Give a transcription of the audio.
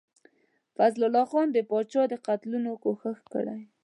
فیض الله خان د پاچا د قتلولو کوښښ کړی.